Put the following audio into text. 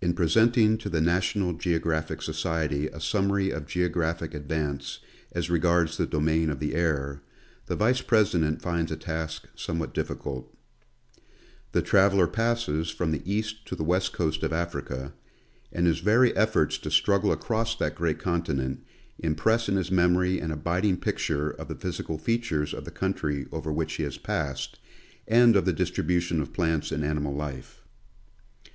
In presenting to the National Geographic Society a summary of geographic advance as regards the domain of the air, the Vice president finds a task somewhat difficult. The traveler passes from the east to the west coast of Africa, and his very efforts to struggle across that great continent, impress in his memory an abiding picture of the physical features of the country over which he has passed, and of the distribution of plants and animal life.